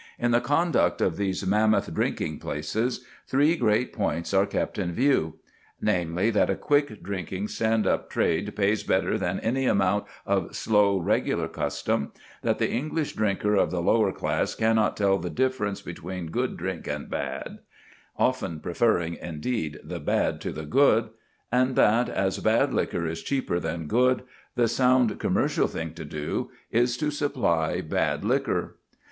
In the conduct of these mammoth drinking places three great points are kept in view: namely, that a quick drinking, stand up trade pays better than any amount of slow regular custom; that the English drinker of the lower class cannot tell the difference between good drink and bad, often preferring, indeed, the bad to the good; and that, as bad liquor is cheaper than good, the sound commercial thing to do is to supply bad liquor.